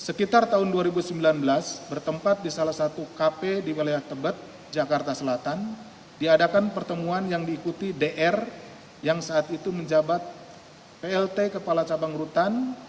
sekitar tahun dua ribu sembilan belas bertempat di salah satu kp di wilayah tebet jakarta selatan diadakan pertemuan yang diikuti dr yang saat itu menjabat plt kepala cabang rutan